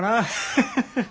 ハハハハ。